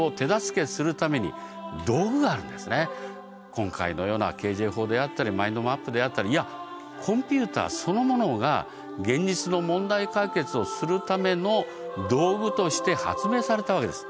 今回のようなＫＪ法であったりマインドマップであったりいやコンピューターそのものが現実の問題解決をするための道具として発明されたわけです。